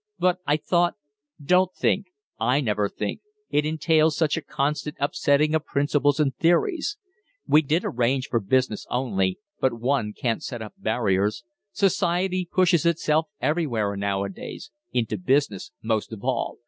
But I thought " "Don't think. I never think; it entails such a constant upsetting of principles and theories. We did arrange for business only, but one can't set up barriers. Society pushes itself everywhere nowadays into business most of all.